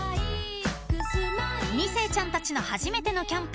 ［２世ちゃんたちの初めてのキャンプ］